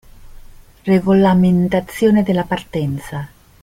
Regolamentazione della partenza.